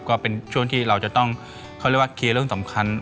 ก็เป็นช่วงที่เราจะต้องเคลียร์เรื่องสำคัญ